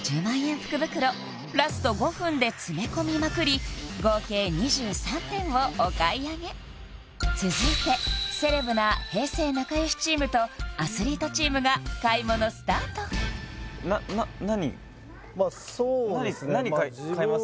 福袋ラスト５分で詰め込みまくり合計２３点をお買い上げ続いてセレブな平成なかよしチームとアスリートチームが買い物スタートな何まっそうですね何買います？